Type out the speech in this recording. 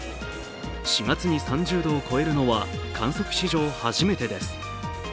４月に３０度を超えるのは観測史上初めてです。